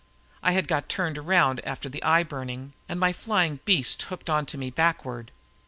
I had got turned around after the eye burning and my flying beast hooked onto me backward.